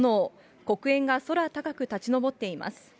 黒煙が空高く立ち上っています。